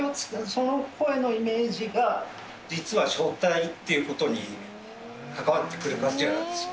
その声のイメージが実は書体っていうことに関わってくる感じがあるんですよ。